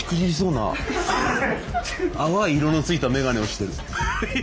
淡い色の付いた眼鏡をしてる。